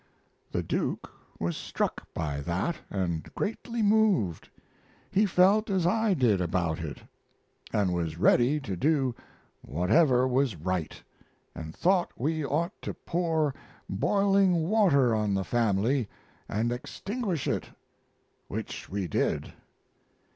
The Duke was struck by that, and greatly moved. He felt as I did about it, and was ready to do whatever was right, and thought we ought to pour boiling water on the Family and extinguish it, which we did.